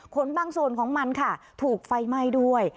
บางส่วนของมันค่ะถูกไฟไหม้ด้วย